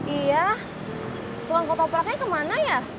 iya tukang ketopraknya ke mana ya